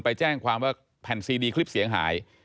ไปแจ้งความว่าแผ่นซีดีคลิปเสียงหาย